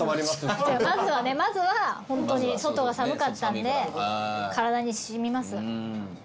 まずはねまずはホントに外が寒かったんで体に染みます。